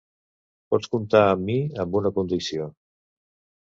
Pots comptar amb mi amb una condició.